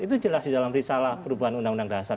itu jelas di dalam risalah perubahan undang undang dasar